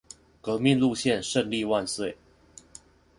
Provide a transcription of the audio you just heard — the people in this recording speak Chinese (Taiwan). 革命路線勝利萬歲